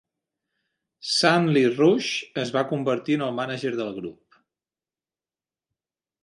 Sonley Roush es va convertir en el manager del grup.